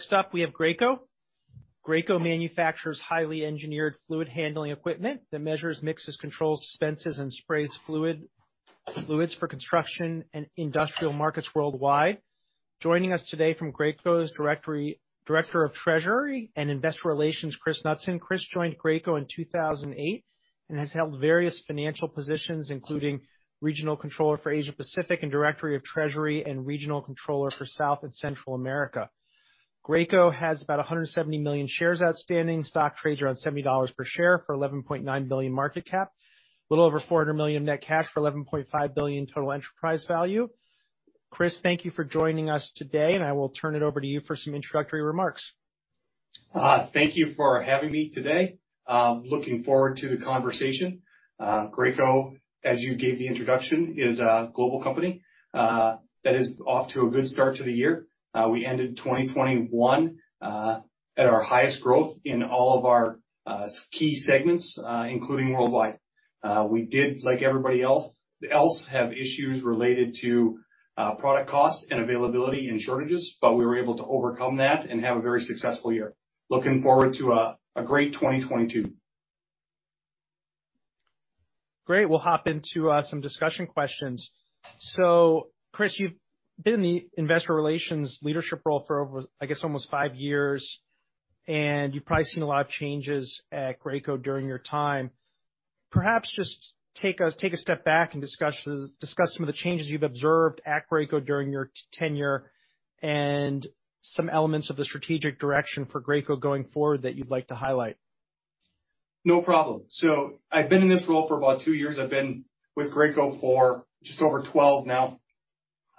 Next up, we have Graco. Graco manufactures highly engineered fluid handling equipment that measures, mixes, controls, dispenses, and sprays fluids for construction and industrial markets worldwide. Joining us today from Graco's Director of Treasury and Investor Relations, Chris Knutson. Chris joined Graco in 2008 and has held various financial positions, including Regional Controller for Asia Pacific and Director of Treasury and Regional Controller for South and Central America. Graco has about 170 million shares outstanding. Stock trades around $70 per share for $11.9 billion market cap, a little over $400 million in net cash for $11.5 billion total enterprise value. Chris, thank you for joining us today, and I will turn it over to you for some introductory remarks. Thank you for having me today. I'm looking forward to the conversation. Graco, as you gave the introduction, is a global company that is off to a good start to the year. We ended 2021 at our highest growth in all of our key segments, including worldwide. We did, like everybody else, have issues related to product costs and availability and shortages, but we were able to overcome that and have a very successful year. Looking forward to a great 2022. Great. We'll hop into some discussion questions. So, Chris, you've been in the investor relations leadership role for, I guess, almost five years, and you've probably seen a lot of changes at Graco during your time. Perhaps just take a step back and discuss some of the changes you've observed at Graco during your tenure and some elements of the strategic direction for Graco going forward that you'd like to highlight. No problem, so I've been in this role for about two years. I've been with Graco for just over 12 now.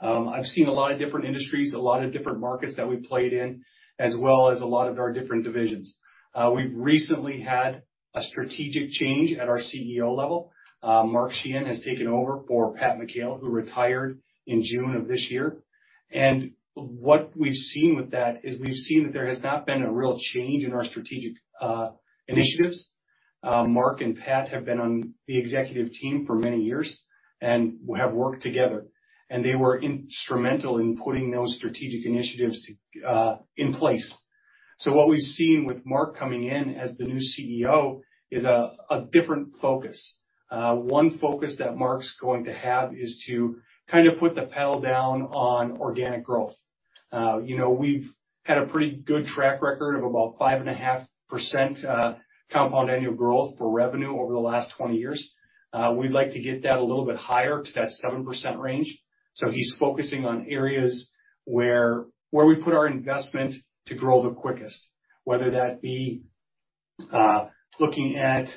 I've seen a lot of different industries, a lot of different markets that we've played in, as well as a lot of our different divisions. We've recently had a strategic change at our CEO level. Mark Sheahan has taken over for Pat McHale, who retired in June of this year, and what we've seen with that is we've seen that there has not been a real change in our strategic initiatives. Mark and Pat have been on the executive team for many years and have worked together, and they were instrumental in putting those strategic initiatives in place, so what we've seen with Mark coming in as the new CEO is a different focus. One focus that Mark's going to have is to kind of put the pedal down on organic growth. We've had a pretty good track record of about 5.5% compound annual growth for revenue over the last 20 years. We'd like to get that a little bit higher to that 7% range. So he's focusing on areas where we put our investment to grow the quickest, whether that be looking at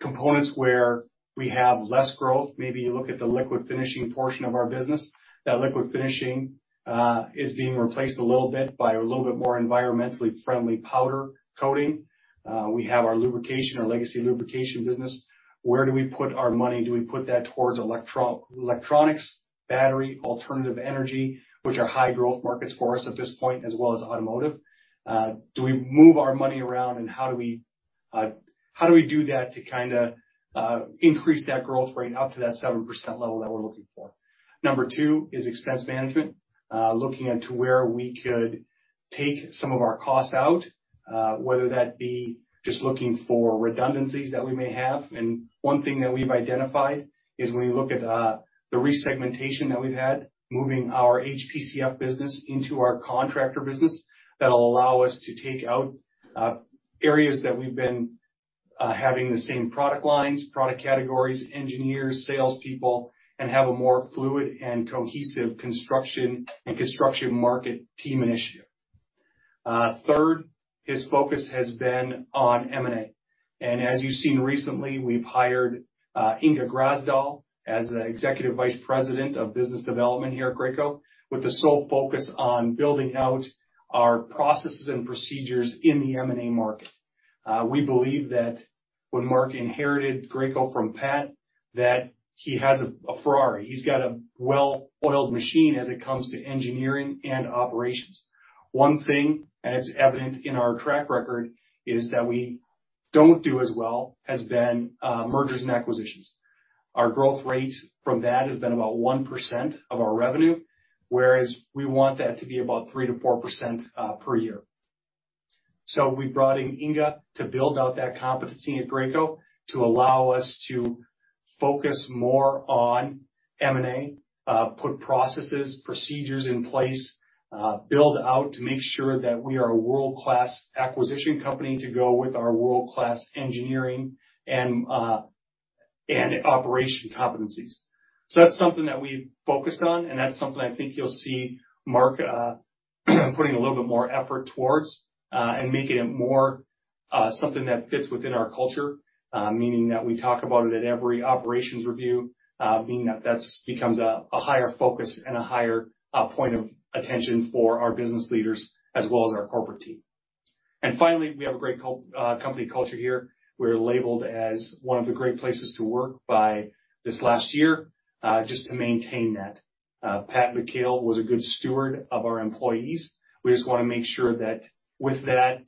components where we have less growth. Maybe you look at the liquid finishing portion of our business. That liquid finishing is being replaced a little bit by a little bit more environmentally friendly powder coating. We have our lubrication, our legacy lubrication business. Where do we put our money? Do we put that towards electronics, battery, alternative energy, which are high growth markets for us at this point, as well as automotive? Do we move our money around, and how do we do that to kind of increase that growth rate up to that 7% level that we're looking for? Number two is expense management, looking into where we could take some of our costs out, whether that be just looking for redundancies that we may have, and one thing that we've identified is when you look at the resegmentation that we've had, moving our HPCF business into our contractor business, that'll allow us to take out areas that we've been having the same product lines, product categories, engineers, salespeople, and have a more fluid and cohesive construction and construction market team initiative. Third, his focus has been on M&A. As you've seen recently, we've hired Inge Grasdal as the Executive Vice President of Business Development here at Graco, with the sole focus on building out our processes and procedures in the M&A market. We believe that when Mark inherited Graco from Pat, that he has a Ferrari. He's got a well-oiled machine when it comes to engineering and operations. One thing, and it's evident in our track record, is that we don't do as well in mergers and acquisitions. Our growth rate from that has been about 1% of our revenue, whereas we want that to be about 3%-4% per year. So we brought in Inga to build out that competency at Graco to allow us to focus more on M&A, put processes, procedures in place, build out to make sure that we are a world-class acquisition company to go with our world-class engineering and operation competencies. So that's something that we've focused on, and that's something I think you'll see Mark putting a little bit more effort towards and making it more something that fits within our culture, meaning that we talk about it at every operations review, meaning that that becomes a higher focus and a higher point of attention for our business leaders as well as our corporate team. And finally, we have a great company culture here. We're labeled as one of the great places to work by this last year just to maintain that. Pat McHale was a good steward of our employees. We just want to make sure that with that,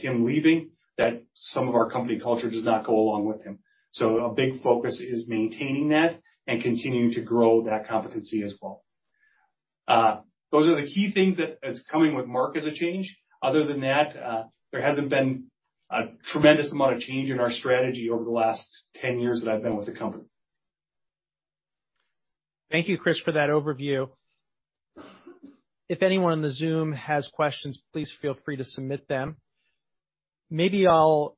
him leaving, that some of our company culture does not go along with him. So a big focus is maintaining that and continuing to grow that competency as well. Those are the key things that are coming with Mark as a change. Other than that, there hasn't been a tremendous amount of change in our strategy over the last 10 years that I've been with the company. Thank you, Chris, for that overview. If anyone on the Zoom has questions, please feel free to submit them. Maybe I'll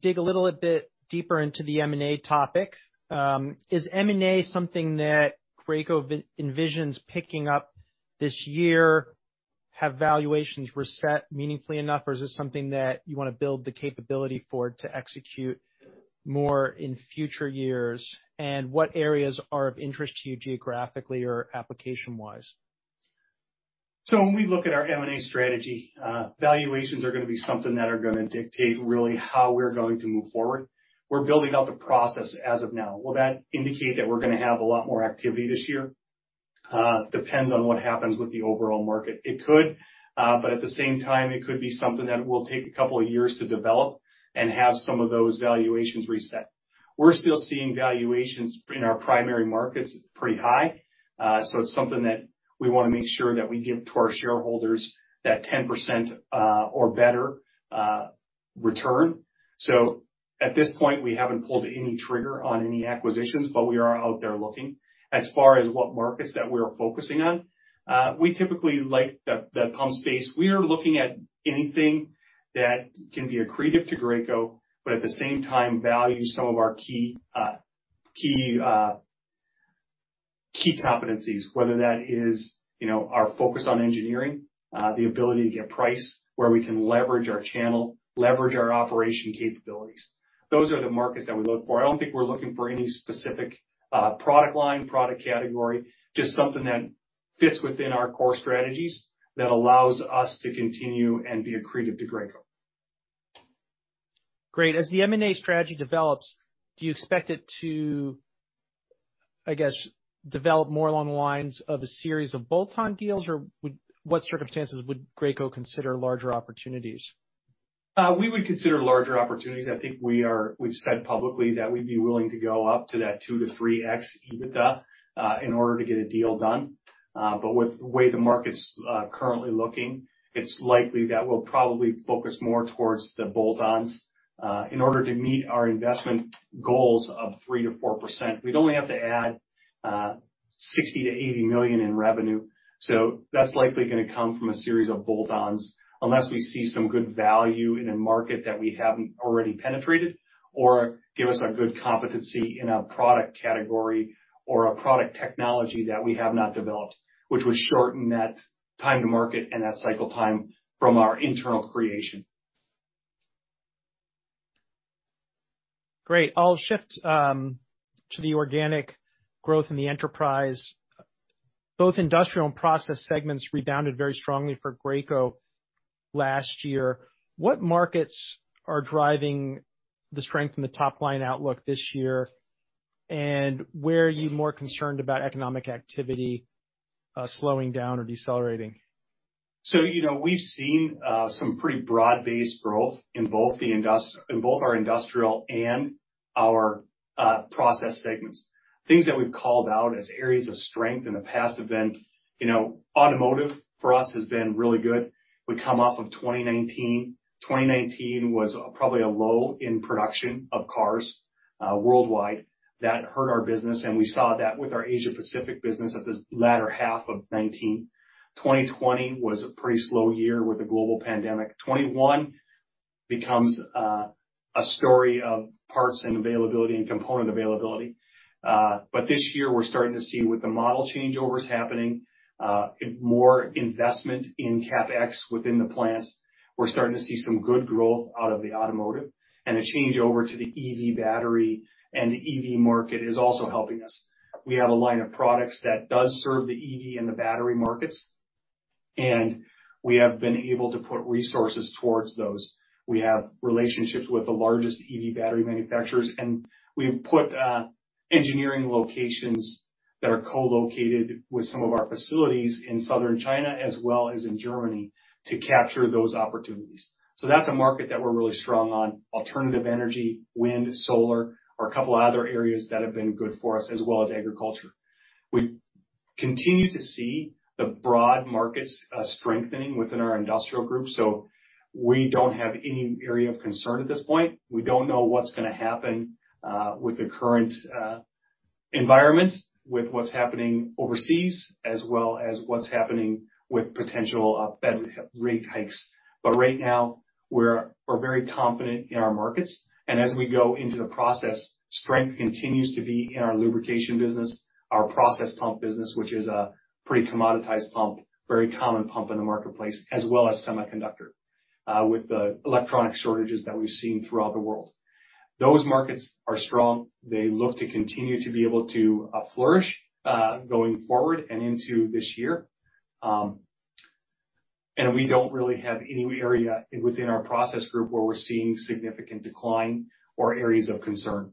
dig a little bit deeper into the M&A topic. Is M&A something that Graco envisions picking up this year, have valuations reset meaningfully enough, or is this something that you want to build the capability for to execute more in future years? And what areas are of interest to you geographically or application-wise? So when we look at our M&A strategy, valuations are going to be something that are going to dictate really how we're going to move forward. We're building out the process as of now. Will that indicate that we're going to have a lot more activity this year? Depends on what happens with the overall market. It could, but at the same time, it could be something that will take a couple of years to develop and have some of those valuations reset. We're still seeing valuations in our primary markets pretty high. So it's something that we want to make sure that we give to our shareholders, that 10% or better return. So at this point, we haven't pulled any trigger on any acquisitions, but we are out there looking. As far as what markets that we are focusing on, we typically like the pump space. We are looking at anything that can be accretive to Graco, but at the same time, value some of our key competencies, whether that is our focus on engineering, the ability to get price where we can leverage our channel, leverage our operation capabilities. Those are the markets that we look for. I don't think we're looking for any specific product line, product category, just something that fits within our core strategies that allows us to continue and be accretive to Graco. Great. As the M&A strategy develops, do you expect it to, I guess, develop more along the lines of a series of bolt-on deals, or what circumstances would Graco consider larger opportunities? We would consider larger opportunities. I think we've said publicly that we'd be willing to go up to that 2x-3x EBITDA in order to get a deal done. But with the way the market's currently looking, it's likely that we'll probably focus more towards the bolt-ons in order to meet our investment goals of 3%-4%. We'd only have to add $60 million-$80 million in revenue. So that's likely going to come from a series of bolt-ons unless we see some good value in a market that we haven't already penetrated or give us a good competency in a product category or a product technology that we have not developed, which would shorten that time to market and that cycle time from our internal creation. Great. I'll shift to the organic growth in the enterprise. Both industrial and process segments rebounded very strongly for Graco last year. What markets are driving the strength in the top line outlook this year, and where are you more concerned about economic activity slowing down or decelerating? So we've seen some pretty broad-based growth in both our industrial and our process segments. Things that we've called out as areas of strength in the past have been. Automotive for us has been really good. We come off of 2019. 2019 was probably a low in production of cars worldwide. That hurt our business, and we saw that with our Asia Pacific business at the latter half of 2019. 2020 was a pretty slow year with the global pandemic. 2021 becomes a story of parts and availability and component availability. But this year, we're starting to see with the model changeovers happening, more investment in CapEx within the plants. We're starting to see some good growth out of the automotive, and a changeover to the EV battery and the EV market is also helping us. We have a line of products that does serve the EV and the battery markets, and we have been able to put resources towards those. We have relationships with the largest EV battery manufacturers, and we've put engineering locations that are co-located with some of our facilities in Southern China as well as in Germany to capture those opportunities. So that's a market that we're really strong on: alternative energy, wind, solar, or a couple of other areas that have been good for us, as well as agriculture. We continue to see the broad markets strengthening within our industrial group. So we don't have any area of concern at this point. We don't know what's going to happen with the current environment, with what's happening overseas, as well as what's happening with potential rate hikes. But right now, we're very confident in our markets. As we go into the process, strength continues to be in our lubrication business, our process pump business, which is a pretty commoditized pump, very common pump in the marketplace, as well as semiconductor with the electronic shortages that we've seen throughout the world. Those markets are strong. They look to continue to be able to flourish going forward and into this year. We don't really have any area within our process group where we're seeing significant decline or areas of concern.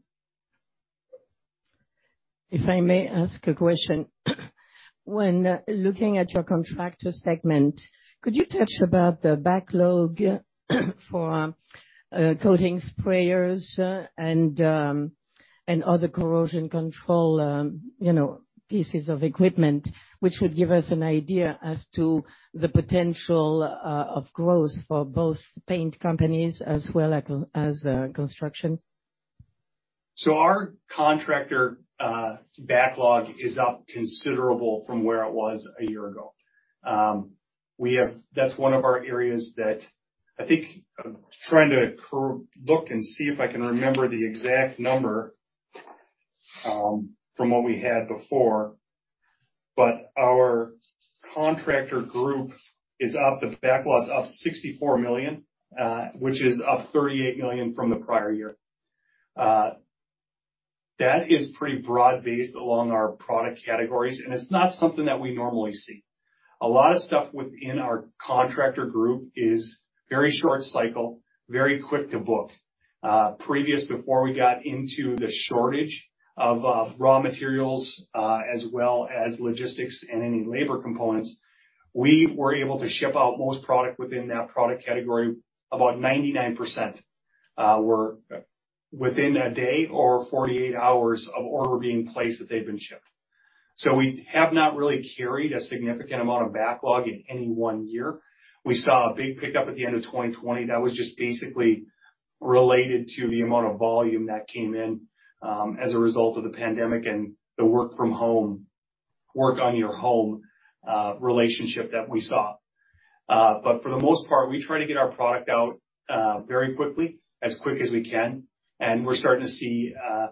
If I may ask a question, when looking at your contractor segment, could you touch about the backlog for coating sprayers and other corrosion control pieces of equipment, which would give us an idea as to the potential of growth for both paint companies as well as construction? Our contractor backlog is up considerably from where it was a year ago. That's one of our areas that I think I'm trying to look and see if I can remember the exact number from what we had before, but our contractor group is up. The backlog is up $64 million, which is up $38 million from the prior year. That is pretty broad-based along our product categories, and it's not something that we normally see. A lot of stuff within our contractor group is very short cycle, very quick to book. Previously, before we got into the shortage of raw materials as well as logistics and any labor components, we were able to ship out most product within that product category. About 99% were within a day or 48 hours of order being placed that they've been shipped. We have not really carried a significant amount of backlog in any one year. We saw a big pickup at the end of 2020. That was just basically related to the amount of volume that came in as a result of the pandemic and the work-from-home, work-on-your-home relationship that we saw. But for the most part, we try to get our product out very quickly, as quick as we can. And we're starting to see a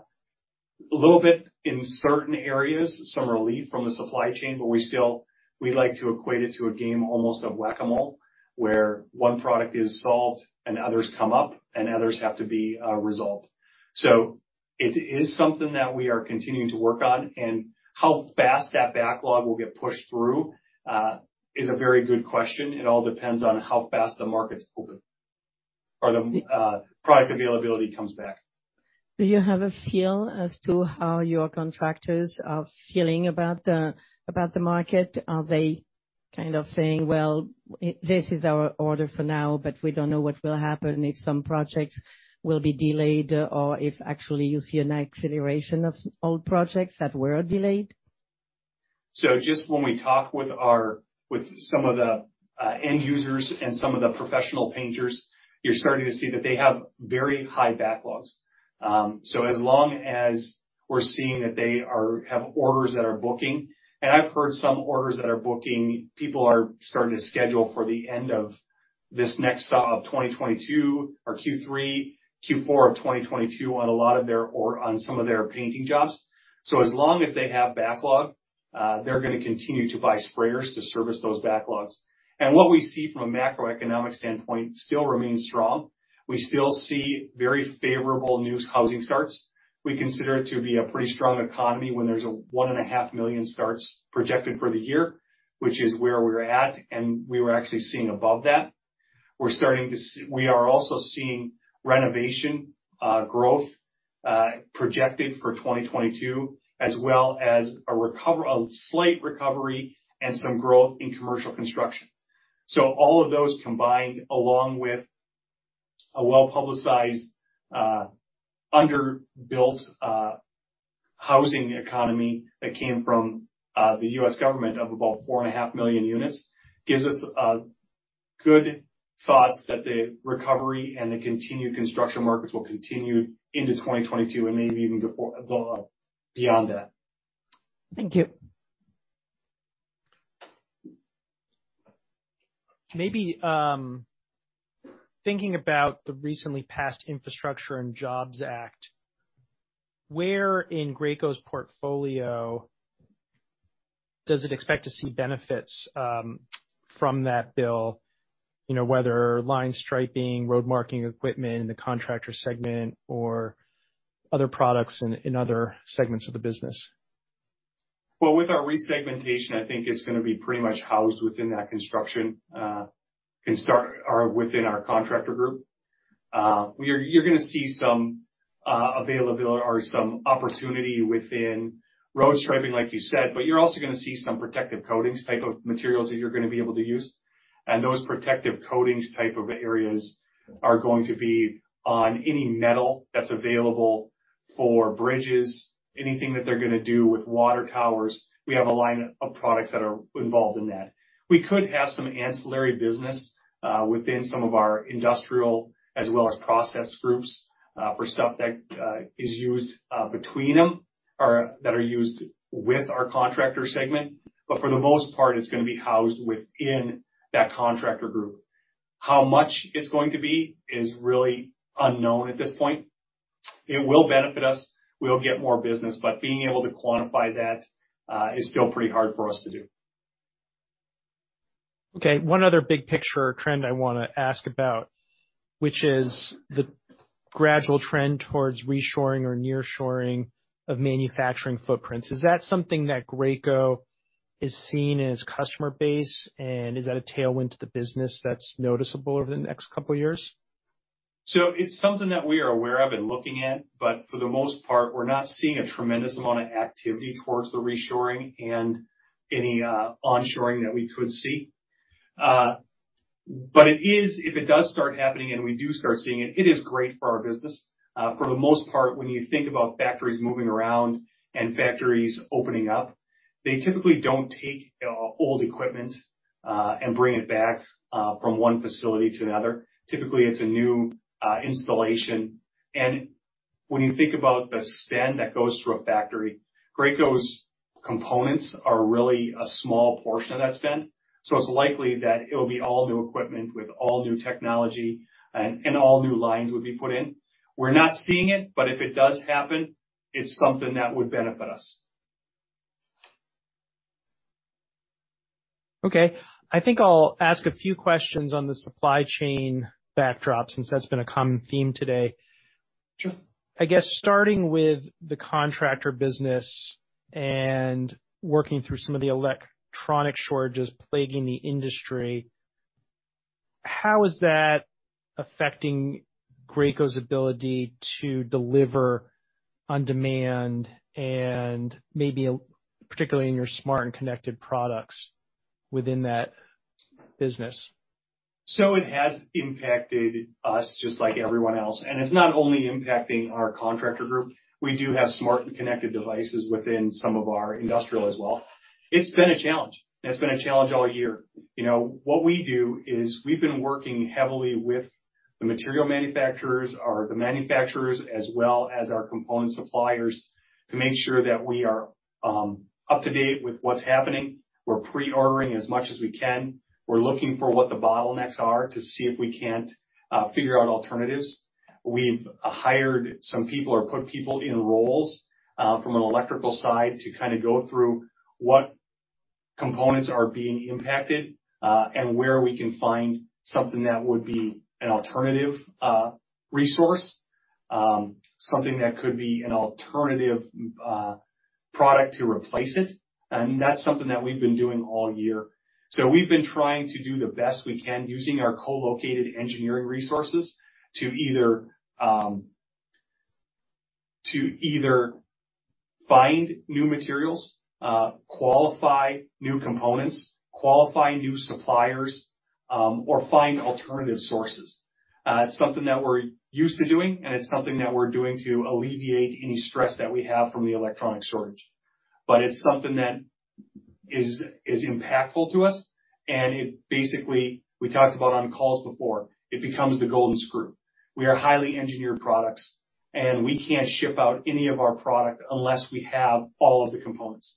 little bit in certain areas, some relief from the supply chain, but we'd like to equate it to a game almost of whack-a-mole where one product is solved and others come up and others have to be resolved. So it is something that we are continuing to work on. And how fast that backlog will get pushed through is a very good question. It all depends on how fast the market's open or the product availability comes back. Do you have a feel as to how your contractors are feeling about the market? Are they kind of saying, "Well, this is our order for now, but we don't know what will happen if some projects will be delayed or if actually you see an acceleration of old projects that were delayed"? So just when we talk with some of the end users and some of the professional painters, you're starting to see that they have very high backlogs. So as long as we're seeing that they have orders that are booking, and I've heard some orders that are booking, people are starting to schedule for the end of this next of 2022 or Q3, Q4 of 2022 on a lot of their or on some of their painting jobs. So as long as they have backlog, they're going to continue to buy sprayers to service those backlogs. And what we see from a macroeconomic standpoint still remains strong. We still see very favorable new housing starts. We consider it to be a pretty strong economy when there's 1.5 million starts projected for the year, which is where we're at, and we were actually seeing above that. We're starting to see renovation growth projected for 2022, as well as a slight recovery and some growth in commercial construction. All of those combined along with a well-publicized underbuilt housing economy that came from the U.S. government of about 4.5 million units gives us good thoughts that the recovery and the continued construction markets will continue into 2022 and maybe even beyond that. Thank you. Maybe thinking about the recently passed Infrastructure and Jobs Act, where in Graco's portfolio does it expect to see benefits from that bill, whether line striping, road marking equipment, the contractor segment, or other products in other segments of the business? With our resegmentation, I think it's going to be pretty much housed within that construction and start within our contractor group. You're going to see some availability or some opportunity within road striping, like you said, but you're also going to see some protective coatings type of materials that you're going to be able to use, and those protective coatings type of areas are going to be on any metal that's available for bridges, anything that they're going to do with water towers. We have a line of products that are involved in that. We could have some ancillary business within some of our industrial as well as process groups for stuff that is used between them or that are used with our contractor segment, but for the most part, it's going to be housed within that contractor group. How much it's going to be is really unknown at this point. It will benefit us. We'll get more business, but being able to quantify that is still pretty hard for us to do. Okay. One other big picture trend I want to ask about, which is the gradual trend towards reshoring or nearshoring of manufacturing footprints. Is that something that Graco is seeing in its customer base, and is that a tailwind to the business that's noticeable over the next couple of years? So it's something that we are aware of and looking at, but for the most part, we're not seeing a tremendous amount of activity towards the reshoring and any onshoring that we could see. But if it does start happening and we do start seeing it, it is great for our business. For the most part, when you think about factories moving around and factories opening up, they typically don't take old equipment and bring it back from one facility to another. Typically, it's a new installation. And when you think about the spend that goes through a factory, Graco's components are really a small portion of that spend. So it's likely that it will be all new equipment with all new technology and all new lines would be put in. We're not seeing it, but if it does happen, it's something that would benefit us. Okay. I think I'll ask a few questions on the supply chain backdrop since that's been a common theme today. I guess starting with the contractor business and working through some of the electronic shortages plaguing the industry, how is that affecting Graco's ability to deliver on demand and maybe particularly in your smart and connected products within that business? It has impacted us just like everyone else. It's not only impacting our contractor group. We do have smart and connected devices within some of our industrial as well. It's been a challenge. It's been a challenge all year. What we do is we've been working heavily with the material manufacturers or the manufacturers as well as our component suppliers to make sure that we are up to date with what's happening. We're pre-ordering as much as we can. We're looking for what the bottlenecks are to see if we can't figure out alternatives. We've hired some people or put people in roles from an electrical side to kind of go through what components are being impacted and where we can find something that would be an alternative resource, something that could be an alternative product to replace it. That's something that we've been doing all year. We've been trying to do the best we can using our co-located engineering resources to either find new materials, qualify new components, qualify new suppliers, or find alternative sources. It's something that we're used to doing, and it's something that we're doing to alleviate any stress that we have from the electronic shortage. But it's something that is impactful to us. And basically, we talked about on calls before, it becomes the golden screw. We are highly engineered products, and we can't ship out any of our product unless we have all of the components.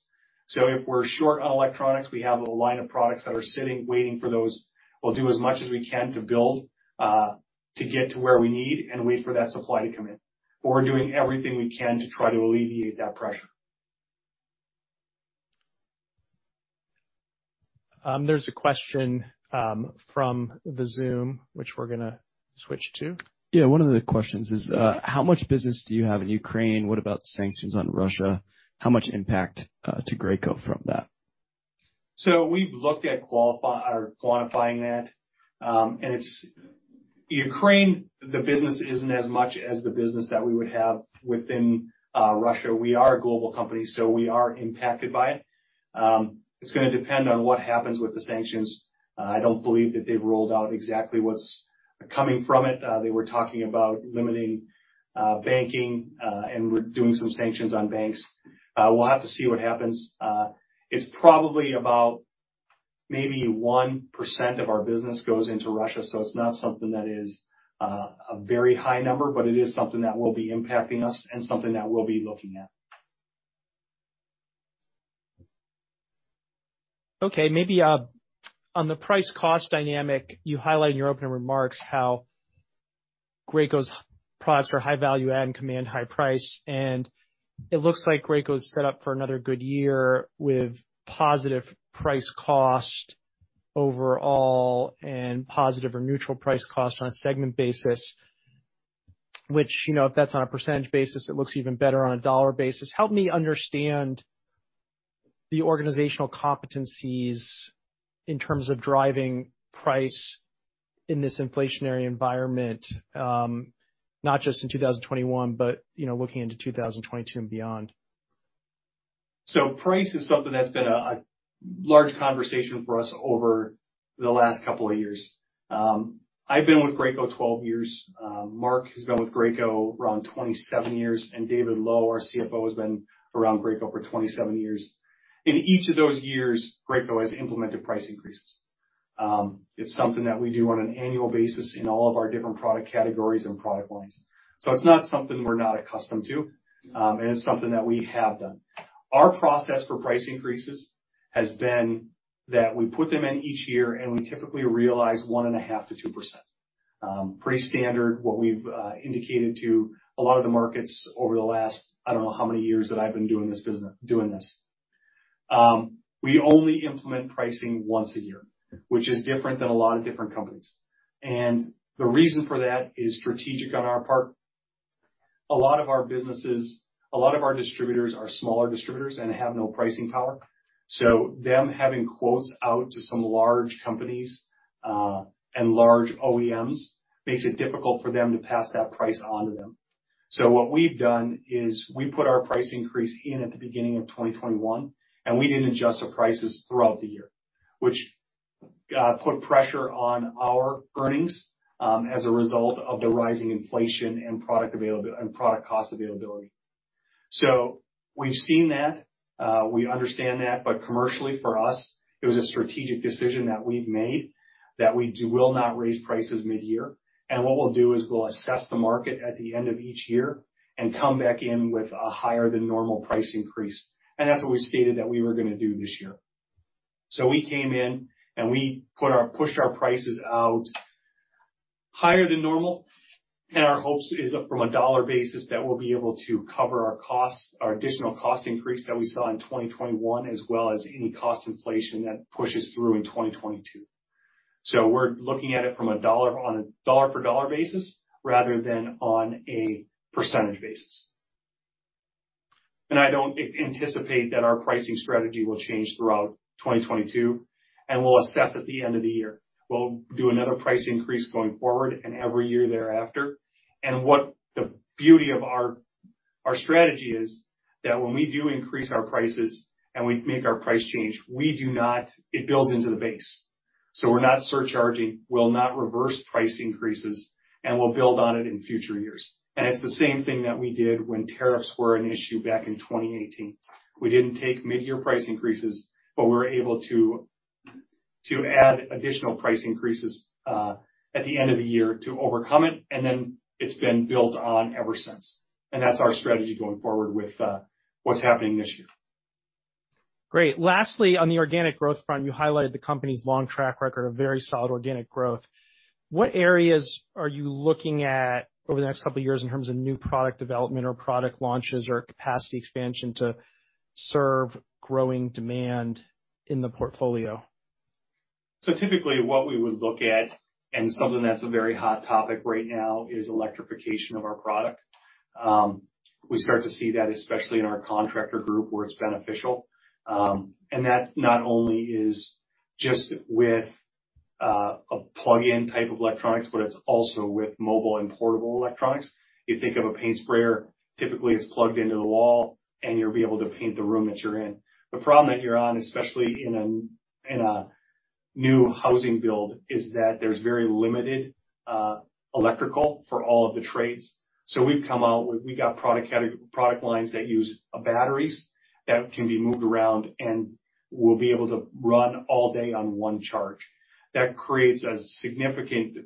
So if we're short on electronics, we have a line of products that are sitting waiting for those. We'll do as much as we can to build to get to where we need and wait for that supply to come in. We're doing everything we can to try to alleviate that pressure. There's a question from the Zoom, which we're going to switch to. Yeah. One of the questions is, how much business do you have in Ukraine? What about sanctions on Russia? How much impact to Graco from that? So we've looked at quantifying that. And Ukraine, the business isn't as much as the business that we would have within Russia. We are a global company, so we are impacted by it. It's going to depend on what happens with the sanctions. I don't believe that they've rolled out exactly what's coming from it. They were talking about limiting banking and doing some sanctions on banks. We'll have to see what happens. It's probably about maybe 1% of our business goes into Russia, so it's not something that is a very high number, but it is something that will be impacting us and something that we'll be looking at. Okay. Maybe on the price-cost dynamic, you highlight in your opening remarks how Graco's products are high value-add and command high price. And it looks like Graco is set up for another good year with positive price-cost overall and positive or neutral price-cost on a segment basis, which if that's on a percentage basis, it looks even better on a dollar basis. Help me understand the organizational competencies in terms of driving price in this inflationary environment, not just in 2021, but looking into 2022 and beyond? So price is something that's been a large conversation for us over the last couple of years. I've been with Graco 12 years. Mark has been with Graco around 27 years, and David Lowe, our CFO, has been around Graco for 27 years. In each of those years, Graco has implemented price increases. It's something that we do on an annual basis in all of our different product categories and product lines. So it's not something we're not accustomed to, and it's something that we have done. Our process for price increases has been that we put them in each year, and we typically realize 1.5%-2%. Pretty standard what we've indicated to a lot of the markets over the last, I don't know how many years that I've been doing this. We only implement pricing once a year, which is different than a lot of different companies, and the reason for that is strategic on our part. A lot of our businesses, a lot of our distributors are smaller distributors and have no pricing power, so them having quotes out to some large companies and large OEMs makes it difficult for them to pass that price on to them, so what we've done is we put our price increase in at the beginning of 2021, and we didn't adjust our prices throughout the year, which put pressure on our earnings as a result of the rising inflation and product cost availability, so we've seen that. We understand that, but commercially for us, it was a strategic decision that we've made that we will not raise prices mid-year. What we'll do is we'll assess the market at the end of each year and come back in with a higher than normal price increase. That's what we stated that we were going to do this year. We came in and we pushed our prices out higher than normal. Our hope is from a dollar basis that we'll be able to cover our additional cost increase that we saw in 2021 as well as any cost inflation that pushes through in 2022. We're looking at it from a dollar for dollar basis rather than on a percentage basis. I don't anticipate that our pricing strategy will change throughout 2022, and we'll assess at the end of the year. We'll do another price increase going forward and every year thereafter. And what the beauty of our strategy is that when we do increase our prices and we make our price change, it builds into the base. So we're not surcharging. We'll not reverse price increases, and we'll build on it in future years. And it's the same thing that we did when tariffs were an issue back in 2018. We didn't take mid-year price increases, but we were able to add additional price increases at the end of the year to overcome it. And then it's been built on ever since. And that's our strategy going forward with what's happening this year. Great. Lastly, on the organic growth front, you highlighted the company's long track record of very solid organic growth. What areas are you looking at over the next couple of years in terms of new product development or product launches or capacity expansion to serve growing demand in the portfolio? So typically what we would look at, and something that's a very hot topic right now, is electrification of our product. We start to see that, especially in our contractor group, where it's beneficial. And that not only is just with a plug-in type of electronics, but it's also with mobile and portable electronics. You think of a paint sprayer. Typically, it's plugged into the wall, and you'll be able to paint the room that you're in. The problem that you're on, especially in a new housing build, is that there's very limited electrical for all of the trades. So we've come out with. We got product lines that use batteries that can be moved around and will be able to run all day on one charge. That creates a significant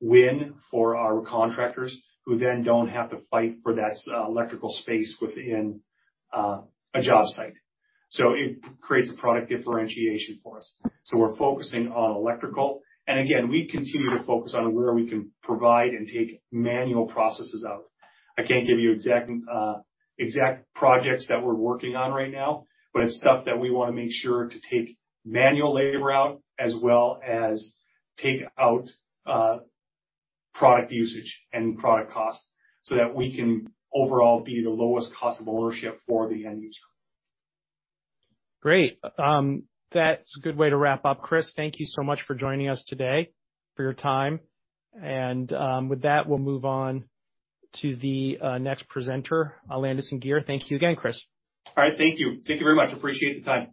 win for our contractors who then don't have to fight for that electrical space within a job site. So it creates a product differentiation for us. So we're focusing on electrical. And again, we continue to focus on where we can provide and take manual processes out. I can't give you exact projects that we're working on right now, but it's stuff that we want to make sure to take manual labor out as well as take out product usage and product costs so that we can overall be the lowest cost of ownership for the end user. Great. That's a good way to wrap up. Chris, thank you so much for joining us today, for your time. And with that, we'll move on to the next presenter, Landis+Gyr. Thank you again, Chris. All right. Thank you. Thank you very much. Appreciate the time.